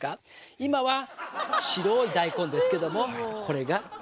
今は白い大根ですけどもこれが変わりますよ。